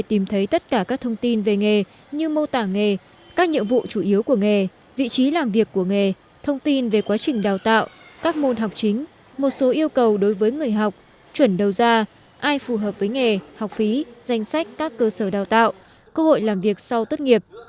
tìm thấy tất cả các thông tin về nghề như mô tả nghề các nhiệm vụ chủ yếu của nghề vị trí làm việc của nghề thông tin về quá trình đào tạo các môn học chính một số yêu cầu đối với người học chuẩn đầu ra ai phù hợp với nghề học phí danh sách các cơ sở đào tạo cơ hội làm việc sau tốt nghiệp